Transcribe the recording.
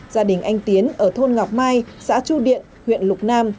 gia đình anh tiến ở thôn ngọc mai xã chu điện huyện lục nam